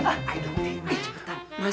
mas jangan mas